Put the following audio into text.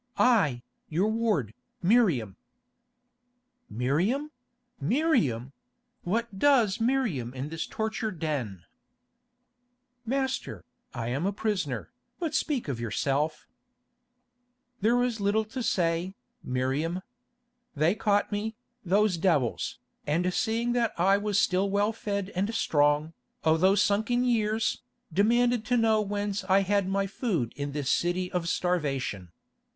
"I, your ward, Miriam." "Miriam! Miriam! What does Miriam in this torture den?" "Master, I am a prisoner. But speak of yourself." "There is little to say, Miriam. They caught me, those devils, and seeing that I was still well fed and strong, although sunk in years, demanded to know whence I had my food in this city of starvation.